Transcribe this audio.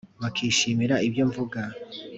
Bakishimira ibyo mvuga.